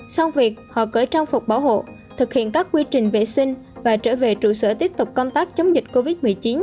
xong việc họ cỡ trang phục bảo hộ thực hiện các quy trình vệ sinh và trở về trụ sở tiếp tục công tác chống dịch covid một mươi chín